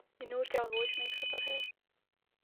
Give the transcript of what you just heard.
یہ نور کے آغوش میں ایک سفر ہے۔